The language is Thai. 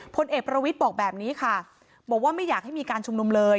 พลเอกประวิทย์บอกแบบนี้ค่ะบอกว่าไม่อยากให้มีการชุมนุมเลย